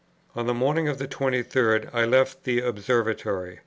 On the morning of the 23rd I left the Observatory.